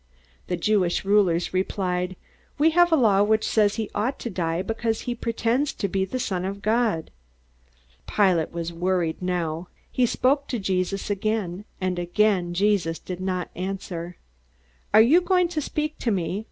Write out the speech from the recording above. The Jewish rulers replied, "We have a law which says he ought to die because he pretends to be the Son of God." Pilate was worried now. He spoke to Jesus again, and again Jesus did not answer. "Aren't you going to speak to me?"